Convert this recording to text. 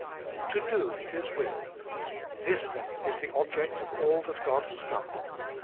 To do His will. This, then, is the object of all that God has done.